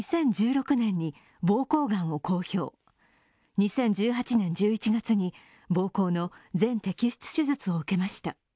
２０１８年１１月に膀胱の全摘出手術を受けました。